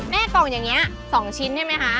กล่องอย่างนี้๒ชิ้นใช่ไหมคะ